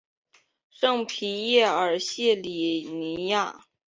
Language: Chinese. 圣皮耶尔谢里尼亚。